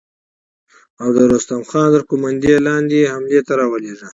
او د رستم خان تر قوماندې لاندې يې حملې ته را ولېږه.